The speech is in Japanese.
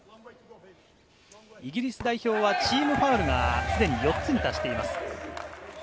イギリス代表はチームファウルがすでに４つに達しています。